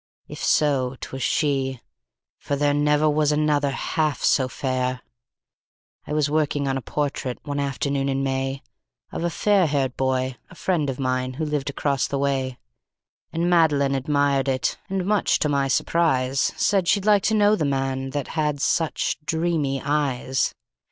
If so, 'twas she, for there never was another half so fair. "I was working on a portrait, one afternoon in May, Of a fair haired boy, a friend of mine, who lived across the way. And Madeline admired it, and much to my surprise, Said she'd like to know the man that had such dreamy eyes.